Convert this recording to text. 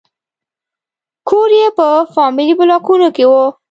کور یې په فامیلي بلاکونو کې و.